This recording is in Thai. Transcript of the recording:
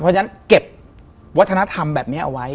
เพราะฉะนั้นเก็บวัฒนธรรมแบบนี้เอาไว้